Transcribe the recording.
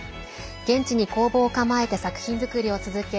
現地に工房を構えて作品作りを続け